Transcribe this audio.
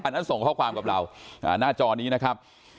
นั้นส่งข้อความกับเราหน้าจอนี้นะครับ